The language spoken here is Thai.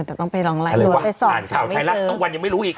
แต่ต้องไปลองไลน์รวมไปสอบอะไรวะอ่านข่าวไทยรัฐตั้งวันยังไม่รู้อีก